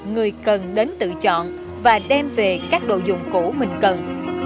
người cần đến tự chọn và đem về các đồ dùng cũ mình cần